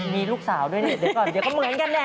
มีลูกสาวด้วยนี่เดี๋ยวก่อนเดี๋ยวก็เหมือนกันเนี่ย